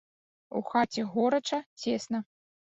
У хаце горача, цесна.